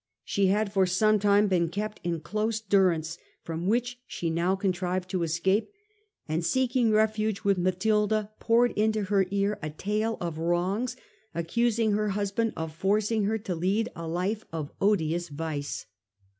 She had for some time been kept in close durance, from which she now contrived to escape, and seeking refuge with Matilda poured into her ear a tale of wrongs, accusing her husband of forcing her to lead a life of odious vice.